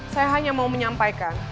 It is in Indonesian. saya hanya mau menyampaikan